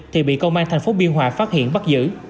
thì bị công an thành phố biên hòa phát hiện bắt giữ